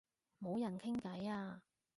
冇人傾偈啊